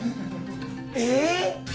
えっ？